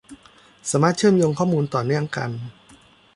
สามารถเชื่อมโยงข้อมูลต่อเนื่องกัน